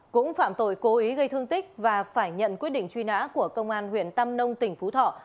cũng phạm tội cố ý gây thương tích và phải nhận quyết định truy nã của công an huyện tam nông tỉnh phú thọ